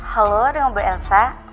halo dengan bu elsa